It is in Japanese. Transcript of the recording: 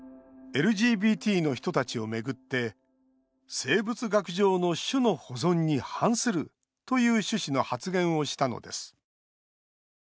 ＬＧＢＴの人たちを巡って「生物学上の種の保存に反する」という趣旨の発言をしたのです。